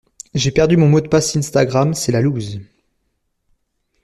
J'ai perdu mon mot de passe Instagram, c'est la loose.